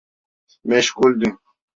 Meşguldün.